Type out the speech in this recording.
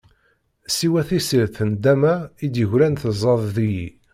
Siwa tissirt n nndama i d-yegran tezzaḍ deg-i.